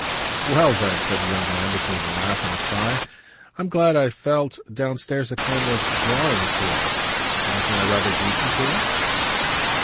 "Well then," said the young man between a laugh and a sigh, "I'm glad I felt, downstairs, a kind of 'drawing' to her. Wasn't I rather decent to her?"